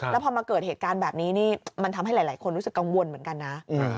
แล้วพอมาเกิดเหตุการณ์แบบนี้นี่มันทำให้หลายคนรู้สึกกังวลเหมือนกันนะ